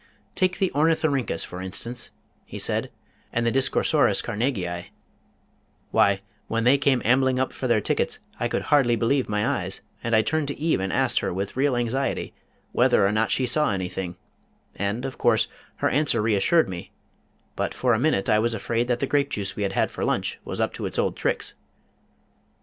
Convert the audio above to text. "Take the Ornithorhyncus, for instance," he said, "and the Discosaurus Carnegii why, when they came ambling up for their tickets I could hardly believe my eyes, and I turned to Eve and asked her with real anxiety, whether or not she saw anything, and, of course, her answer reassured me, but for a minute I was afraid that the grape juice we had had for lunch was up to its old tricks."